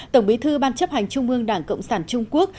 tổng bí thư ban chấp hành trung ương đảng cộng sản trung quốc